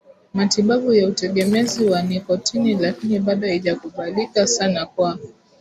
matibabu ya utegemezi wa nikotini lakini bado haijakubalika sana kwa